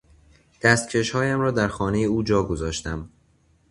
دستکش هایم را در خانهٔ او جا گذاشتم.